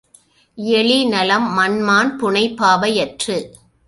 எழினலம் மண்மாண் புனைபாவை யற்று